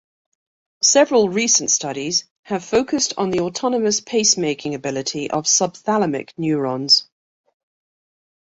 Several recent studies have focused on the autonomous pacemaking ability of subthalamic neurons.